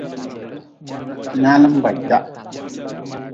Nyaalm ba jah.